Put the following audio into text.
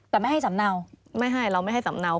แต่ไม่ให้สำเนาไม่ให้เราไม่ให้สำเนา